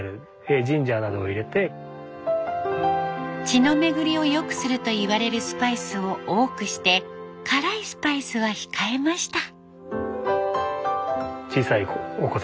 血の巡りを良くするといわれるスパイスを多くして辛いスパイスは控えました。